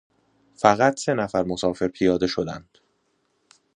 فقط سه نفر مسافر پیاده شدند.